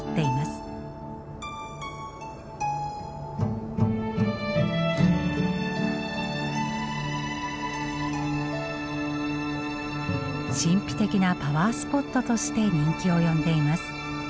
神秘的なパワースポットとして人気を呼んでいます。